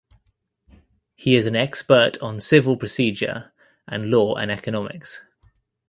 He is an expert on civil procedure and law and economics.